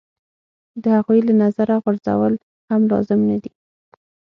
د هغوی له نظره غورځول هم لازم نه دي.